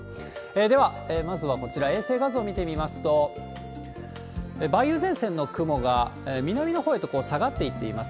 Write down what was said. では、まずはこちら、衛星画像見てみますと、梅雨前線の雲が南のほうへと下がっていっています。